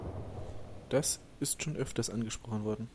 Das ist schon öfters angesprochen worden.